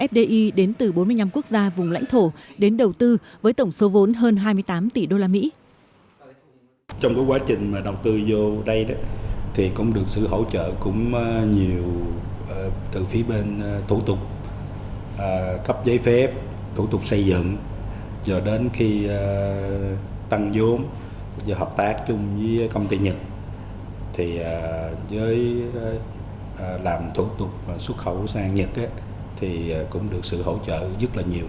fdi đến từ bốn mươi năm quốc gia vùng lãnh thổ đến đầu tư với tổng số vốn hơn hai mươi tám tỷ usd